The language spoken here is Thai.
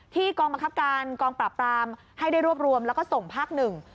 กองบังคับการกองปราบปรามให้ได้รวบรวมแล้วก็ส่งภาคหนึ่ง